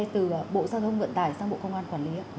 từ bộ gia thông vận tải sang bộ công an quản lý ạ